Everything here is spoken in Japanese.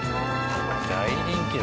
大人気だ。